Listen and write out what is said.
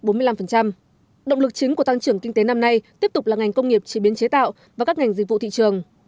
động lực chính của tăng trưởng kinh tế năm nay tiếp tục là ngành công nghiệp chế biến chế tạo và các ngành dịch vụ thị trường